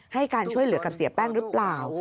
ให้การช่วยเหลือกับเสียแป้งหรือเปล่า